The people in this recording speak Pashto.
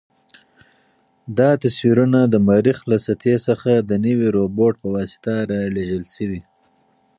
دا تصویرونه د مریخ له سطحې څخه د نوي روبوټ په واسطه رالېږل شوي.